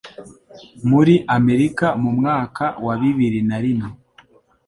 muri Amerika mu mwaka wa bibiri narimwe.